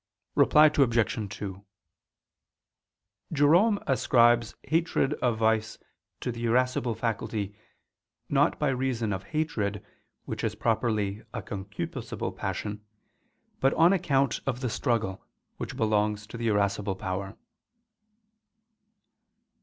Reply Obj. 2: Jerome ascribes hatred of vice to the irascible faculty, not by reason of hatred, which is properly a concupiscible passion; but on account of the struggle, which belongs to the irascible power.